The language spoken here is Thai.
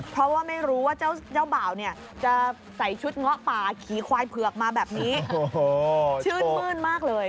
เพราะว่าไม่รู้ว่าเจ้าเจ้าบ่าวเนี่ยจะใส่ชุดเงาะป่าขี่ควายเผือกมาแบบนี้โอ้โหชื่นมื้นมากเลย